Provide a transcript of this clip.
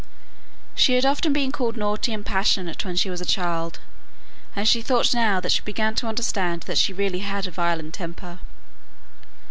She had often been called naughty and passionate when she was a child; and she thought now that she began to understand that she really had a violent temper.